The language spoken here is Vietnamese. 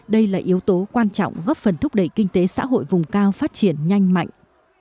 đây là yếu tố quan trọng góp phần thúc đẩy kinh tế xã hội vùng cao phát triển nhanh mạnh